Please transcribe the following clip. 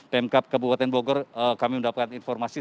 pemkap kabupaten bogor kami mendapatkan informasi